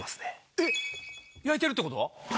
えっ⁉焼いてるってこと？